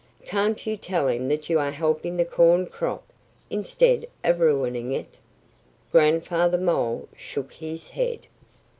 Can't you tell him that you are helping the corn crop, instead of ruining it?" Grandfather Mole shook his head.